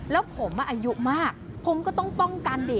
แล้วผมอายุมากผมก็ต้องป้องกันดิ